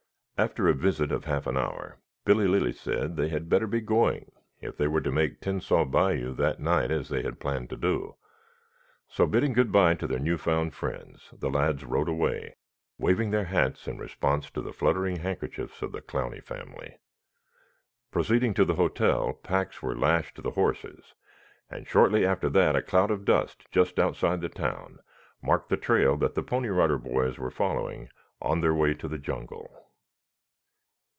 After a visit of half an hour, Billy Lilly said they had better be going if they were to make Tensas Bayou that night as they had planned to do, so bidding good bye to their new found friends, the lads rode away, waving their hats in response to the fluttering handkerchiefs of the Clowney family. Proceeding to the hotel, packs were lashed to the horses, and shortly after that a cloud of dust just outside the town marked the trail that the Pony Rider Boys were following on their way to the jungle.